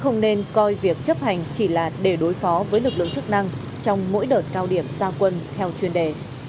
không nên coi việc chấp hành chỉ là để đối phó với lực lượng chức năng trong mỗi đợt cao điểm xa quân theo chuyên đề